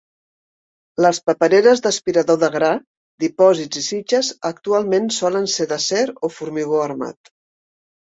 Les papereres d'aspirador de gra ,dipòsits i sitges actualment solen ser d'acer o formigó armat.